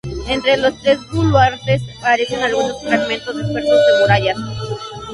Entre los tres baluartes aparecen algunos fragmentos dispersos de murallas.